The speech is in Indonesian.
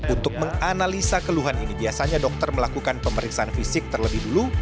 untuk menganalisa keluhan ini biasanya dokter melakukan pemeriksaan fisik terlebih dulu